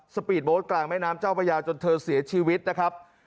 สปีดโบ๊ทกลางแม่น้ำเจ้าพระยาจนเธอเสียชีวิตนะครับ